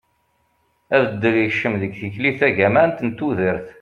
abeddel yekcem deg tikli tagamant n tudert